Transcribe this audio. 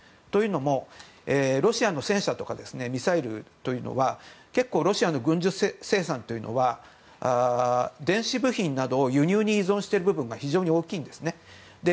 というのも、ロシアの戦車とかミサイルというのは結構ロシアの軍需生産というのは電子部品などを輸入に依存している部分が非常に大きいんですね。